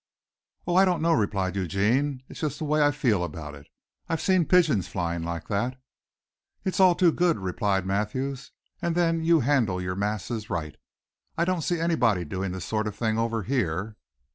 "Oh, I don't know," replied Eugene. "It's just the way I feel about it. I've seen pigeons flying like that." "It's all to the good," replied Mathews. "And then you handle your masses right. I don't see anybody doing this sort of thing over here."